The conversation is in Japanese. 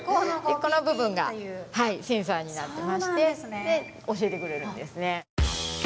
この部分がセンサーになってましてで教えてくれるんですね。